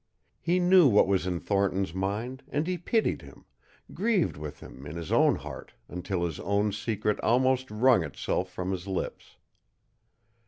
He knew what was in Thornton's mind, and he pitied him, grieved with him in his own heart until his own secret almost wrung itself from his lips.